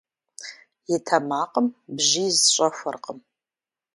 И тэмакъым бжьиз щӀэхуэркъым.